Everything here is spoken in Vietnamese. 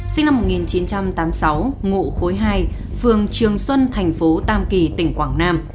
sinh năm một nghìn chín trăm tám mươi sáu ngụ khối hai phường trường xuân thành phố tam kỳ tỉnh quảng nam